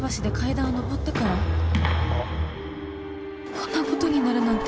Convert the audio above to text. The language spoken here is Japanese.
こんなことになるなんて。